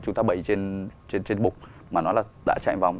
chúng ta bày trên bục mà nó đã chạy vòng